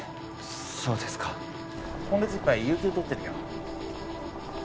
そうですか今月いっぱい有給取ってるよ